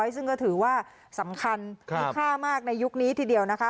ซึ่งก็ถือว่าสำคัญมีค่ามากในยุคนี้ทีเดียวนะคะ